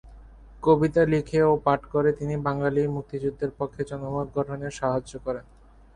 কবিতা লিখে ও পাঠ করে তিনি বাঙালির মুক্তিযুদ্ধের পক্ষে জনমত গঠনে সাহায্য করেন।